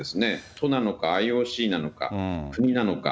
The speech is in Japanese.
都なのか、ＩＯＣなのか、国なのか。